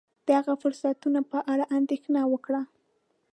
د هغه فرصتونو په اړه اندېښنه وکړه.